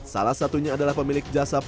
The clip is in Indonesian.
salah satunya adalah pemilik jasa perusahaan